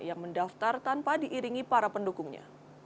yang mendaftar tanpa diiringi para pendukungnya